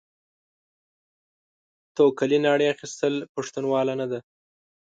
توکلې ناړې اخيستل؛ پښتنواله نه ده.